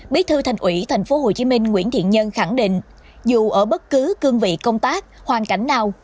bí thư thành ủy tp hcm nguyễn thiện nhân khẳng định dù ở bất cứ cương vị công tác hoàn cảnh nào